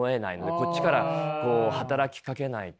こっちからこう働きかけないと。